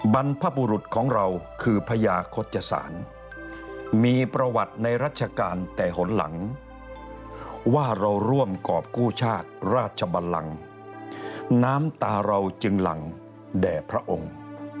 บรรพบุรุษของเราคือพญาโฆษศาลมีประวัติในรัชกาลแต่หนหลังว่าเราร่วมกรอบกู้ชาติราชบันลังน้ำตาเราจึงหลังแด่พระองค์